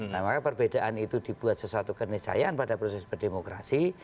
nah maka perbedaan itu dibuat sesuatu kenisayaan pada proses berdemokrasi